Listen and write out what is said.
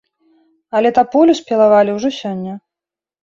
Але таполю спілавалі ўжо сёння.